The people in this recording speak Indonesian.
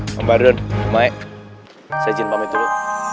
mbak arun mbak maik saya izin pamit dulu